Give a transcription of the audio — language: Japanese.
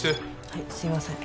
はいすいません。